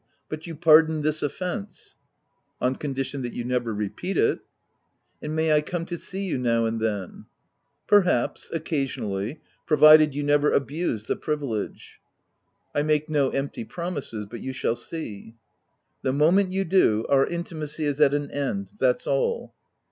" But you pardon this offence ?"" On condition that you never repeat it." "And may I come to see you now and then ?"" Perhaps, — occasionally ; provided you never abuse the privilege." " I make no empty promises, but you shall see." " The moment you do, our intimacy is at an end, that's all."